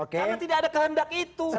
karena tidak ada kehendak itu